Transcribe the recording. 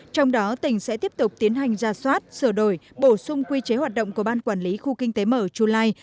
trong đó tỉnh sẽ tiếp tục tiến hành ra soát sửa đổi bổ sung quy chế hoạt động của ban quản lý khu kinh tế mở chu lai